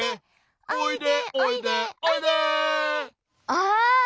ああ！